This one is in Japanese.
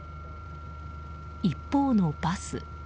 一方のバス。